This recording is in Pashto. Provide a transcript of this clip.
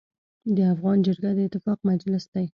د افغان جرګه د اتفاق مجلس دی.